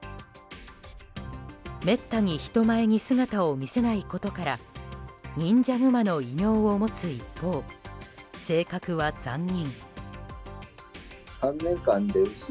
めったに人前に姿を見せないことから忍者グマの異名を持つ一方性格は残忍。